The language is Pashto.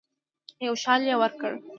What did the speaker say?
یو شال یې ورکړ.